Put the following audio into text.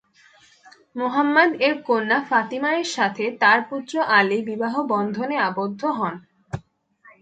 মুহাম্মাদ এর কন্যা ফাতিমা এর সাথে তার পুত্র আলী বিবাহ বন্ধন এ আবদ্ধ হন।